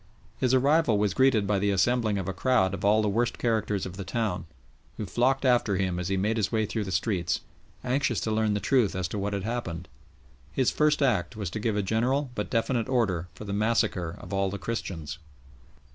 His arrival was greeted by the assembling of a crowd of all the worst characters of the town, who flocked after him as he made his way through the streets, anxious to learn the truth as to what had happened. His first act was to give a general but definite order for the massacre of all the Christians.